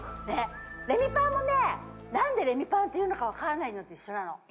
ねっレミパンもねなんでレミパンっていうのかわからないのと一緒なの。